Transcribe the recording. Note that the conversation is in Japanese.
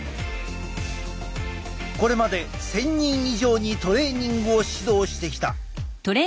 これまで１，０００人以上にトレーニングを指導してきた。